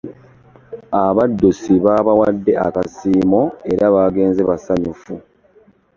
Abaddusi baabawadde akasiimo era baagenze basanyufu.